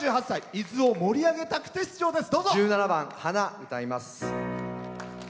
伊豆を盛り上げたくて出場です。